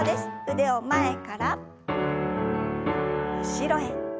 腕を前から後ろへ。